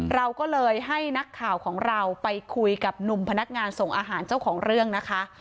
เราก็เลยให้นักข่าวของเราไปคุยกับหนุ่มพนักงานส่งอาหารเจ้าของเรื่องนะคะ